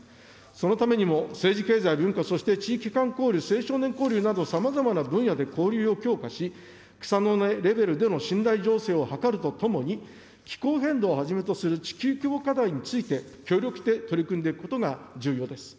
そのためにも、政治、経済、文化、そして地域間交流、青少年交流など、さまざまな分野で交流を強化し、草の根レベルでの信頼醸成を図るとともに、気候変動をはじめとする地球規模課題について、協力して取り組んでいくことが重要です。